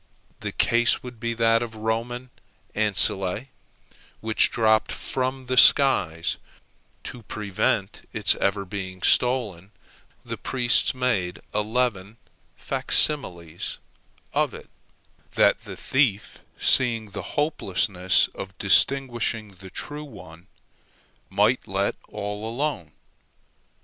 The case would be that of the Roman ancile which dropped from the skies; to prevent its ever being stolen, the priests made eleven facsimiles of it, that the thief, seeing the hopelessness of distinguishing the true one, might let all alone.